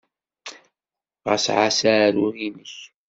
Ɣas ɛass aɛrur-nnek.